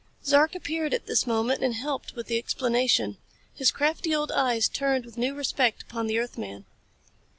Zark appeared at this moment and helped with the explanation. His crafty old eyes turned with new respect upon the earthman.